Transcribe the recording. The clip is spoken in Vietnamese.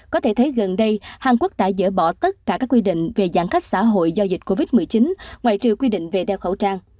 có thể thấy gần đây hàn quốc đã dỡ bỏ tất cả các quy định về giãn cách xã hội do dịch covid một mươi chín ngoại trừ quy định về đeo khẩu trang